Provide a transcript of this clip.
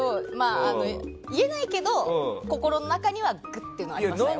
言えないけど、心の中にはぐっというのはありましたよ。